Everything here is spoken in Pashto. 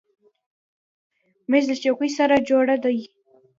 مېز له چوکۍ سره جوړه ده.